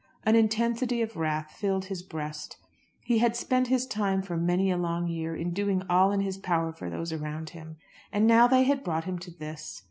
An intensity of wrath filled his breast. He had spent his time for many a long year in doing all in his power for those around him, and now they had brought him to this.